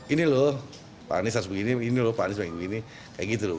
ini loh pak anies harus begini ini loh pak anies begini kayak gitu loh